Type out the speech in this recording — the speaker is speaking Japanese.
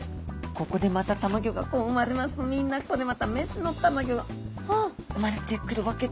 ここでまたたまギョがこう生まれますとみんなここでまた雌のたまギョが生まれてくるわけでありますね。